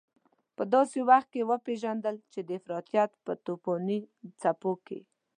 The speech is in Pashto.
په داسې وخت کې وپېژندل چې د افراطيت په توپاني څپو کې.